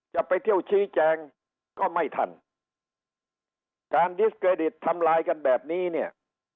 จะไปเที่ยวชี้แจงก็ไม่ทันการดิสเครดิตทำลายกันแบบนี้เนี่ย